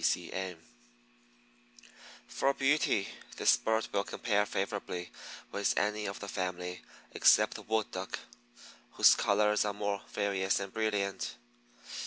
C. C. M. For beauty this bird will compare favorably with any of the family except the Wood Duck, whose colors are more various and brilliant.